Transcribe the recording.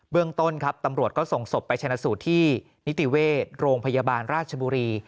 เรื่องต้นครับตำรวจก็ส่งศพไปชนะสูตรที่นิติเวชโรงพยาบาลราชบุรี